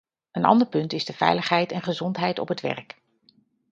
Een ander punt is de veiligheid en gezondheid op het werk.